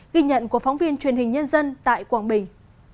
ghi nhận của phóng viên truyền hình nhân dân tại quảng bình